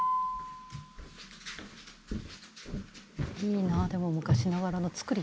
いいなあでも昔ながらの造り